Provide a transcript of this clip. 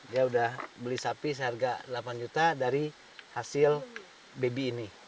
dia udah beli sapi seharga delapan juta dari hasil baby ini